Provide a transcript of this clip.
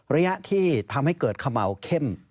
ระยะที่ทำให้เกิดเขม่าเข้ม